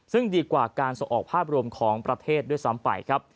ซึ่งดีกว่าการส่งออกภาพรวมของประเทศด้วยซ้ำไปครับ